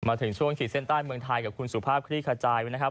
มาถึงช่วงขีดเส้นต้านเมืองไทยกับคุณสุภาพคลิกาจายนะครับ